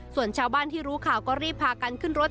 ส่วนชาวบ้านที่รู้ข่าวก็รีบพากันขึ้นรถ